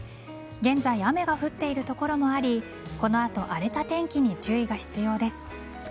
現在、雨が降っている所もありこの後、荒れた天気に注意が必要です。